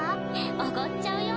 おごっちゃうよ！